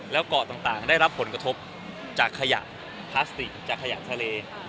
แล้วเกาะต่างได้รับผลกระทบจากขยะพลาสติกจากขยะทะเล